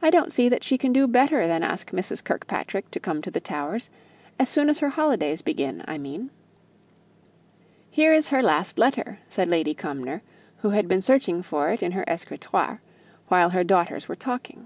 I don't see that she can do better than ask Mrs. Kirkpatrick to come to the Towers as soon as her holidays begin, I mean." "Here is her last letter," said Lady Cumnor, who had been searching for it in her escritoire, while her daughters were talking.